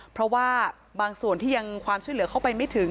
เพราะว่าบางส่วนที่ยังความช่วยเหลือเข้าไปไม่ถึง